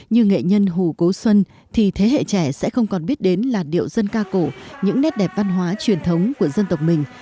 như nghệ nhân hù cố xuân thì thế hệ trẻ sẽ không còn biết đến là điệu dân ca cổ những nét đẹp văn hóa truyền thống của dân tộc mình